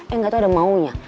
eh nggak tahu ada maunya